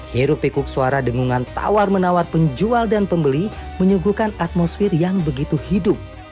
heru pikuk suara dengungan tawar menawar penjual dan pembeli menyuguhkan atmosfer yang begitu hidup